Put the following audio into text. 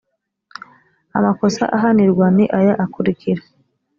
amakosa ahanirwa ni aya akurikira